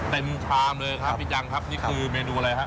เต็มคลามเลยครับพี่จังนี่คือเมนูอะไรครับ